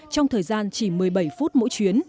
trong thời gian chỉ một mươi bảy phút mỗi chuyến